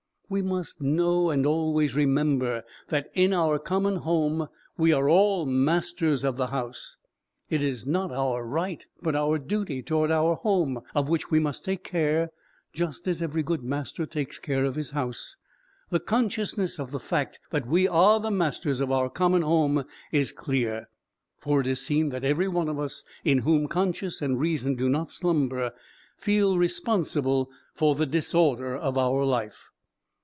We must know and always remember that in our common home we are all masters of the house. It is not our right, but our duty toward our home, of which we must take care just as every good master takes care of his house. The consciousness of the fact that we are the masters of our common home is clear; for it is seen that every one of us in whom conscience and reason do not slumber, feels responsible for the disorder of our life.